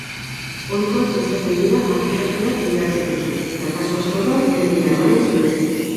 Ohikoak izaten dira atzerapenak bidalketetan, eta kasu askotan ez dira garaiz iristen.